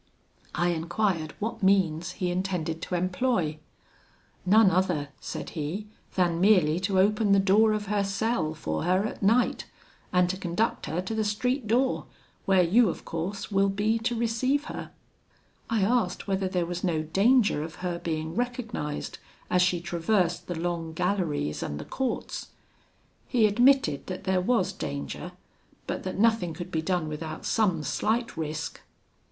I enquired what means he intended to employ. 'None other,' said he, 'than merely to open the door of her cell for her at night, and to conduct her to the street door, where you, of course, will be to receive her.' I asked whether there was no danger of her being recognised as she traversed the long galleries and the courts. He admitted that there was danger, but that nothing could be done without some slight risk.